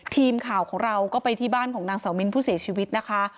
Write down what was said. ทีมข่าวของเราก็ไปที่บ้านของนางสาวมิ้นผู้เสียชีวิตนะคะ